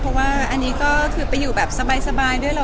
เพราะว่าอันนี้ก็คือไปอยู่แบบสบายด้วยแล้ว